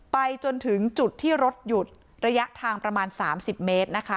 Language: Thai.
ไปจนถึงจุดที่รถหยุดระยะทางประมาณ๓๐เมตรนะคะ